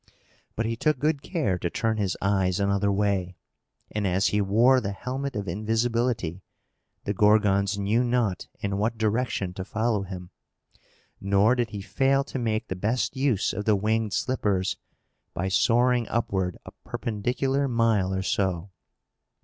But he took good care to turn his eyes another way; and, as he wore the helmet of invisibility, the Gorgons knew not in what direction to follow him; nor did he fail to make the best use of the winged slippers, by soaring upward a perpendicular mile or so.